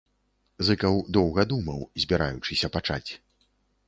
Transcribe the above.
Зыкаў доўга думаў, збіраючыся пачаць.